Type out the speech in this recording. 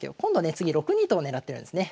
次６二と金を狙ってるんですね。